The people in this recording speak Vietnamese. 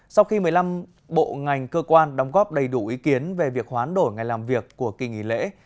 sau khi một mươi năm bộ ngành cơ quan đóng góp đầy đủ ý kiến về việc hoán đổi ngày làm việc của kỳ nghỉ lễ